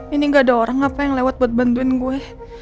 ini gak ada orang apa yang lewat buat bantuin gue